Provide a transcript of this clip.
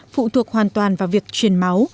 phụ thuộc hoàn toàn vào việc chuyển máu